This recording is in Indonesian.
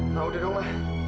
ma udah dong ma